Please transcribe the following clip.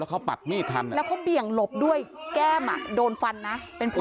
แล้วก็มาก่อเหตุอย่างที่คุณผู้ชมเห็นในคลิปนะคะ